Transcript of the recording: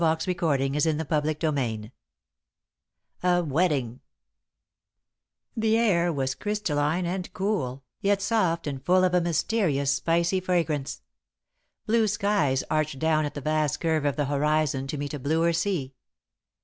XXV A Wedding [Sidenote: By the Sea] The air was crystalline and cool, yet soft, and full of a mysterious, spicy fragrance. Blue skies arched down at the vast curve of the horizon to meet a bluer sea.